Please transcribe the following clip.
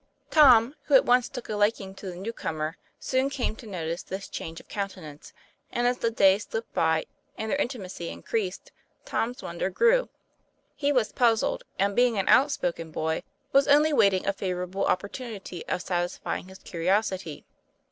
Tom, who at once took a liking to the new comer, soon came to notice this change of countenance, and as the days slipped by and their intimacy increased, Tom's wonder grew. He was puzzled, and, being an outspoken boy, was only waiting a favorable op portunity of satisfying his curiosity.